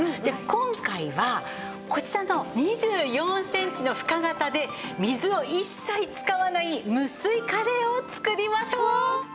今回はこちらの２４センチの深型で水を一切使わない無水カレーを作りましょう。